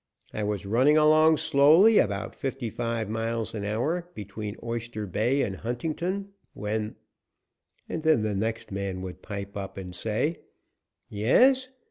I was running along slowly, about fifty five miles an hour, between Oyster Bay and Huntington, when " And then the next man would pipe up and say: "Yes?